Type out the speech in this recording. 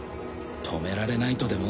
止められないとでも？